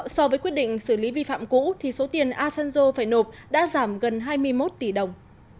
so với quyết định xử lý vi phạm cũ thì số tiền asanjo phải nộp đã giảm gần hai mươi một tỷ đồng